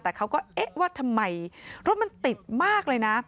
แต่เขาก็เอ๊ะว่าทำไมรถมันติดมากเลยนะ